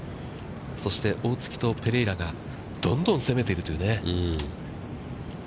そして大槻とペレイラが、どんどん攻めているというね。